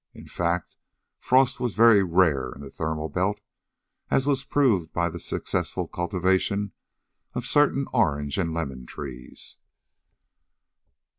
In fact, frost was very rare in the thermal belt, as was proved by the successful cultivation of certain orange and lemon trees.